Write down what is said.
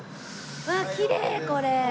わあきれいこれ。